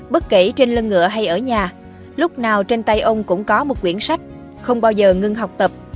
bất kể trên lưng ngựa hay ở nhà lúc nào trên tay ông cũng có một quyển sách không bao giờ ngưng học tập